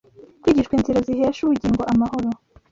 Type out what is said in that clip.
Kwigishwa inzira zihesha ubugingo, amahoro